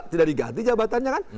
tidak diganti jabatannya kan